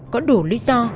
có đủ lý do